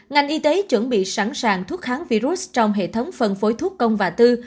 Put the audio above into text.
ngành y tế chuẩn bị sẵn sàng thuốc kháng virus trong hệ thống phân phối thuốc công và tư